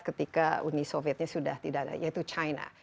ketika uni sovietnya sudah tidak ada yaitu china